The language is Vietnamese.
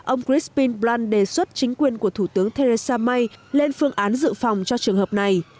ông christpine brand đề xuất chính quyền của thủ tướng theresa may lên phương án dự phòng cho trường hợp này